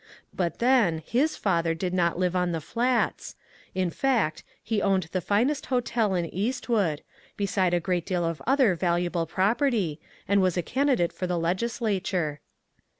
But, then, his father did not live on the Flats ; in fact, he owned the finest hotel in East wood, beside a great deal of other valuable property, and was a candidate for the Leg islature.